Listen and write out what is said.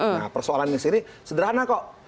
nah persoalan yang ini sederhana kok